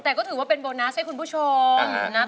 แต่ก็ถือว่าเป็นโบนัสให้คุณผู้ชมนะ